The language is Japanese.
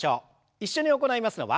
一緒に行いますのは。